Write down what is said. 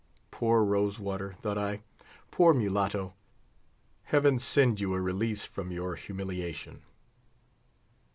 Poor Rose water! thought I; poor mulatto! Heaven send you a release from your humiliation!